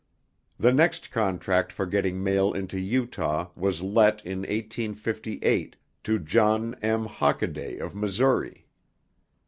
The next contract for getting mail into Utah was let in 1858 to John M. Hockaday of Missouri.